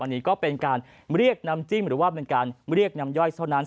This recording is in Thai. อันนี้ก็เป็นการเรียกน้ำจิ้มหรือว่าเป็นการเรียกน้ำย่อยเท่านั้น